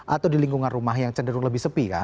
atau di lingkungan rumah yang cenderung lebih sepi kan